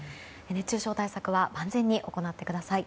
熱中症対策は万全に行ってください。